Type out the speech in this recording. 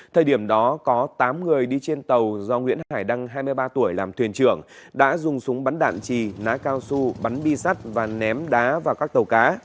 thời điểm đó có tám người đi trên tàu do nguyễn hải đăng hai mươi ba tuổi làm thuyền trưởng đã dùng súng bắn đạn trì ná cao su bắn bi sắt và ném đá vào các tàu cá